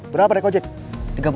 berapa neko jack